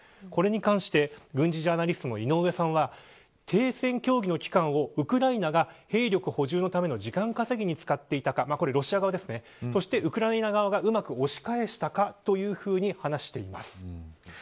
これに関して軍事ジャーナリストの井上さんは停戦協議の期間をウクライナが兵力補充のための時間稼ぎに使っていたかそして、ウクライナ側がうまく押し返したかというふうに話しています。